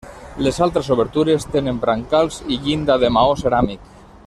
Les altres obertures tenen brancals i llinda de maó ceràmic.